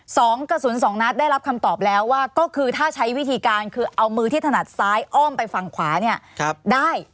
สองกระสุนสองนัดได้รับคำตอบแล้วว่าก็คือถ้าใช้วิธีการคือเอามือที่ถนัดซ้ายอ้อมไปฝั่งขวาเนี่ยได้